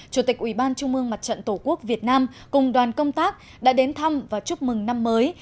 chủ tịch ủy ban trung mương mặt trận tổ quốc việt nam cùng đoàn công tác đã đến thăm và chúc mừng năm mới